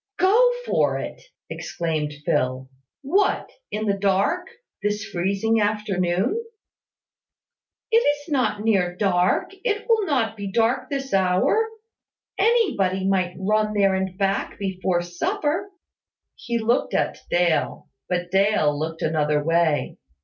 "Go for it!" exclaimed Phil. "What, in the dark, this freezing afternoon?" "It is not near dark; it will not be dark this hour. Anybody might run there and back before supper." He looked at Dale; but Dale looked another way.